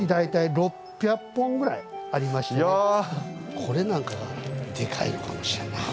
これなんかがデカいのかもしれんな。